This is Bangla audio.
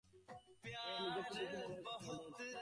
ওহ, নিজেকে খুব বিশাল কিছু ভাবো, তাই না, সুপারডগ?